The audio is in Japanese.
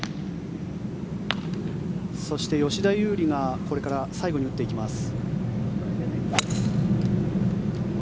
そして、吉田優利がこれから最後に打っていきます。